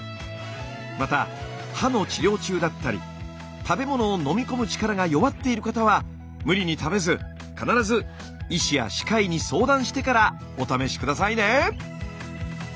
また歯の治療中だったり食べ物を飲み込む力が弱っている方は無理に食べず必ず医師や歯科医に相談してからお試し下さいね！